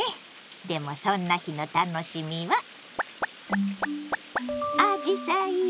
でもそんな日の楽しみはアジサイよ！